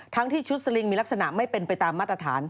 ที่ชุดสลิงมีลักษณะไม่เป็นไปตามมาตรฐาน